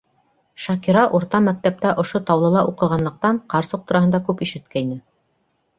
Шакира урта мәктәптә ошо Таулыла уҡығанлыҡтан, ҡарсыҡ тураһында күп ишеткәйне.